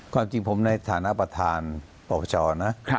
ความจริงผมในฐานะประธานปปชนะ